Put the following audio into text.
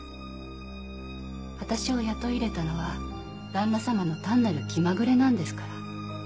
私を雇い入れたのは旦那様の単なる気まぐれなんですから。